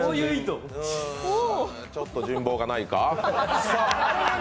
ちょっと人望がないか？